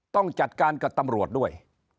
ต้องจัดการกับตำรวจด้วย